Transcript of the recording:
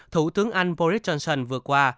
thủ tướng anh boris johnson vừa qua